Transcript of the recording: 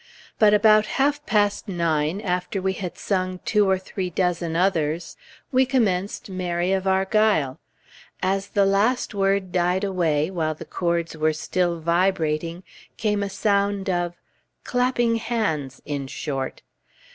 But about half past nine, after we had sung two or three dozen others, we commenced "Mary of Argyle." As the last word died away, while the chords were still vibrating, came a sound of clapping hands, in short!